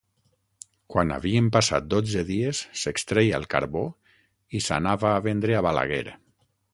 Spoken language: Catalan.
Quan havien passat dotze dies s'extreia el carbó i s'anava a vendre a Balaguer.